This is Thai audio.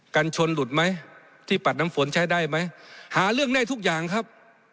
กันชนหลุดไหมที่ปัดน้ำฝนใช้ได้ไหมหาเรื่องได้ทุกอย่างครับ